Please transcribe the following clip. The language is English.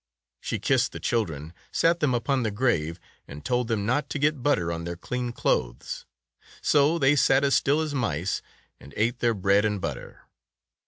She kissed the children, sat them upon the grave, and told them not to get butter on their clean clothes. So they sat as still as mice, and ate their bread and butter.